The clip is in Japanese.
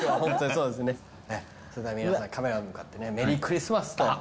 それでは皆さんカメラに向かって「メリークリスマス」と。